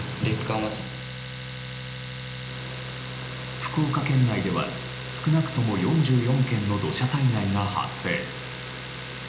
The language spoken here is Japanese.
福岡県内では少なくとも４４件の土砂災害が発生。